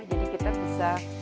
jadi kita bisa